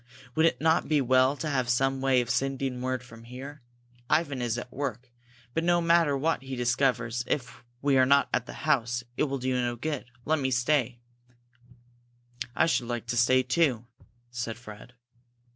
Would it not be well to have some way of sending word from here? Ivan is at work. But no matter what he discovers, if we are not at the house, it will do no good. Let me stay!" "I should like to stay, too," said Fred.